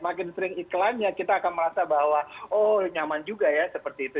makin sering iklannya kita akan merasa bahwa oh nyaman juga ya seperti itu